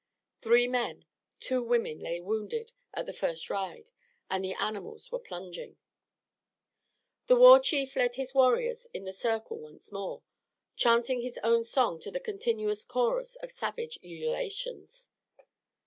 Three men, two women lay wounded at the first ride, and the animals were plunging. The war chief led his warriors in the circle once more, chanting his own song to the continuous chorus of savage ululations.